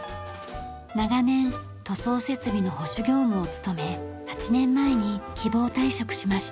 長年塗装設備の保守業務を務め８年前に希望退職しました。